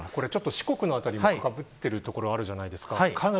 四国の辺りもかぶってる所があるじゃないですか。